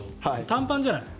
短パンじゃない。